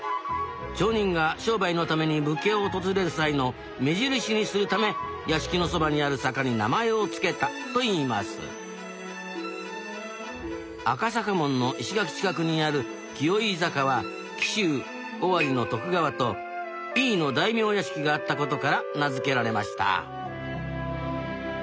町人が商売のために武家を訪れる際の目印にするため屋敷のそばにある坂に名前を付けたといいます赤坂門の石垣近くにある「紀尾井坂」は紀州尾張の徳川と井伊の大名屋敷があった事から名付けられました